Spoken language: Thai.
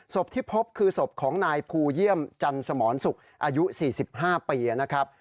ศพที่พบคือศพของนายภูเยี่ยมจันสมรสุขอายุ๔๕ปีนะครับ